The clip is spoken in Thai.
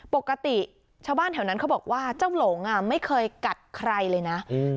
ปกติชาวบ้านแถวนั้นเขาบอกว่าเจ้าหลงไม่เคยกัดใครเลยนะ